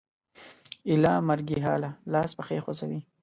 ایله مرګي حاله لاس پښې خوځوي